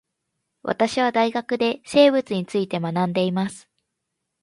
私は大学で生物について学んでいます